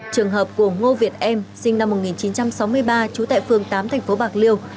trường hợp của ngô việt em sinh năm một nghìn chín trăm sáu mươi ba chú tại phường tám tp bạc liêu